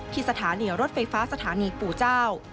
สถานีรถไฟฟ้าสถานีปู่เจ้า